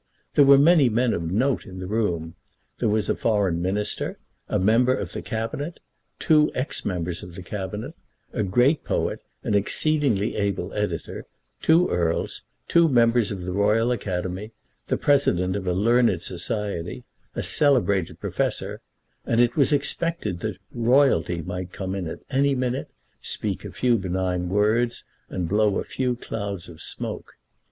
There were many men of note in the room. There was a foreign minister, a member of the Cabinet, two ex members of the Cabinet, a great poet, an exceedingly able editor, two earls, two members of the Royal Academy, the president of a learned society, a celebrated professor, and it was expected that Royalty might come in at any minute, speak a few benign words, and blow a few clouds of smoke.